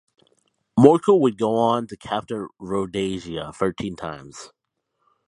Morkel would go on to captain Rhodesia thirteen times.